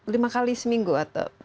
lima kali seminggu atau